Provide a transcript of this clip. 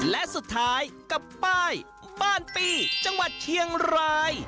และสุดท้ายกับป้ายบ้านปี้จังหวัดเชียงราย